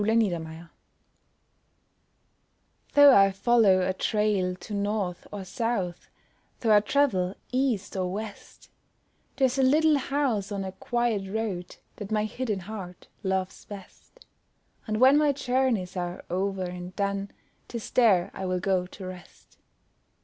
THE ROVER Though I follow a trail to north or south, Though I travel east or west, There's a little house on a quiet road That my hidden heart loves best; And when my journeys are over and done, 'Tis there I will go to rest.